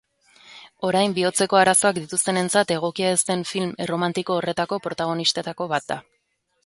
Orain bihotzeko arazoak dituztenentzat egokia ez den film erromantiko horretako protagonistetako bat da.